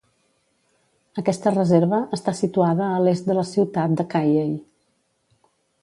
Aquesta reserva està situada a l'est de la ciutat de Cayey.